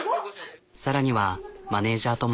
さらにはマネジャーとも。